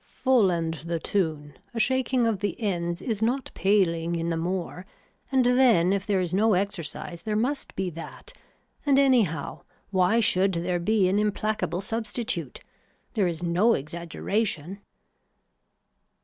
Full and the tune, a shaking of the ends is not paling in the more and then if there is no exercise there must be that and anyhow why should there be an implacable substitute. There is no exaggeration.